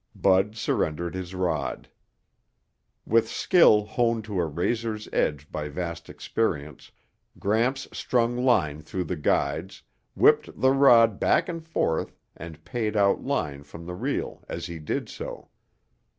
Bud surrendered his rod. With skill honed to a razor's edge by vast experience, Gramps strung line through the guides, whipped the rod back and forth and paid out line from the reel as he did so.